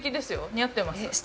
似合ってます。